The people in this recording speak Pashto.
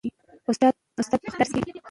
استاد په خپل درس کې.